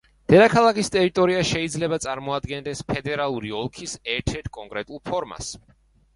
დედაქალაქის ტერიტორია შეიძლება წარმოადგენდეს ფედერალური ოლქის ერთ-ერთ კონკრეტულ ფორმას.